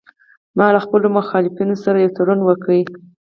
ما له خپلو مخالفینو سره یو تړون وکړ